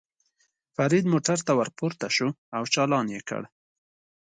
فرید موټر ته ور پورته شو او چالان یې کړ.